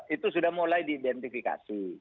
itu sudah mulai diidentifikasi